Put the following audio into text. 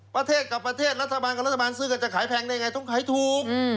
ประเทศกับประเทศรัฐบาลกับรัฐบาลซื้อกันจะขายแพงได้ไงต้องขายถูก